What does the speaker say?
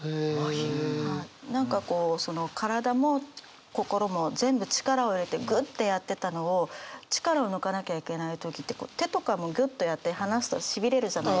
何かこうその身体も心も全部力を入れてグッてやってたのを力を抜かなきゃいけない時って手とかもギュッとやって離すとしびれるじゃないですか。